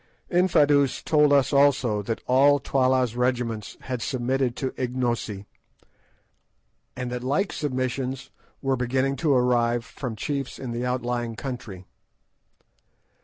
Infadoos told us also that all Twala's regiments had submitted to Ignosi, and that like submissions were beginning to arrive from chiefs in the outlying country.